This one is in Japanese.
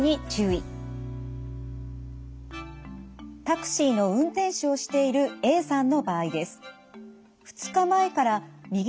タクシーの運転手をしているＡさんの場合です。